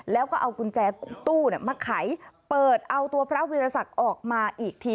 แล้วก็เอากุญแจตู้มาไขเปิดเอาตัวพระวิรสักออกมาอีกที